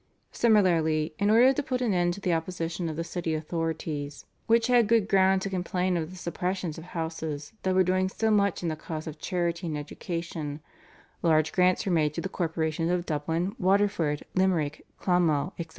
Similarly, in order to put an end to the opposition of the city authorities, which had good ground to complain of the suppressions of houses that were doing so much in the cause of charity and education, large grants were made to the corporations of Dublin, Waterford, Limerick, Clonmel, etc.